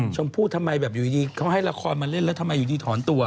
ชมพู่ทำไมแบบอยู่ดีเขาให้ละครมาเล่นแล้วทำไมอยู่ดีถอนตัว